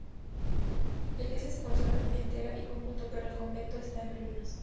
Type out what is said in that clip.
La iglesia se conserva entera y con culto, pero el convento está en ruinas.